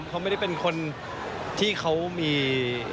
เขาไม่ได้เป็นคนที่เขามี